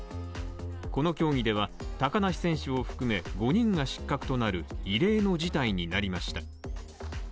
この競技では高梨選手を含め、５人が失格となる異例の事態になりました。